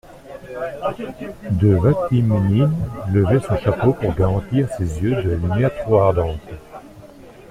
De Vatimesnil levait son chapeau pour garantir ses yeux de la lumière trop ardente.